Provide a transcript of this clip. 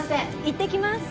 いってきます。